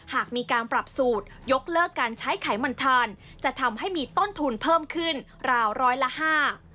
หากมีการปรับสูตรยกเลิกการใช้ไขมันทานจะทำให้มีต้นทุนเพิ่มขึ้นราวร้อยละห้า